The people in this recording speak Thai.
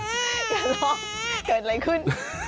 อย่าร้องเกิดอะไรขึ้น